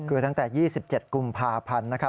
คือตั้งแต่๒๗กุมภาพันธ์นะครับ